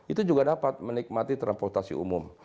itu juga dapat menikmati transportasi umum